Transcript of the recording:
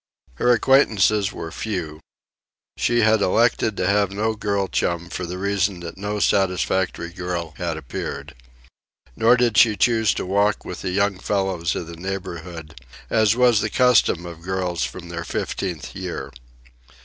Her acquaintances were few. She had elected to have no girl chum for the reason that no satisfactory girl had appeared. Nor did she choose to walk with the young fellows of the neighbourhood, as was the custom of girls from their fifteenth year.